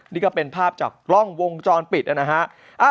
นี่ก็เป็นภาพจากกล้องวงจรปิดนะฮะ